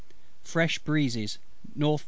Fresh breezes at N.